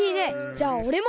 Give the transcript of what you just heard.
じゃあおれも！